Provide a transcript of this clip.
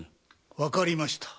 わかりました。